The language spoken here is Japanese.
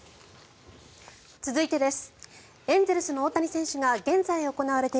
続いてです。